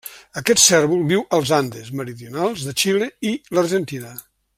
Aquest cérvol viu als Andes meridionals de Xile i l'Argentina.